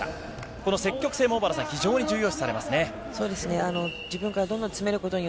この積極性も小原さん、非常に重要視されますね。